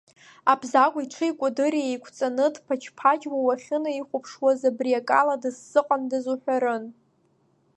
Абзагә иҽи-икәадыри еиқәҵаны, дԥаџьԥаџьуа уахьынаихәаԥшуаз, абри акала дысзыҟандаз уҳәарын.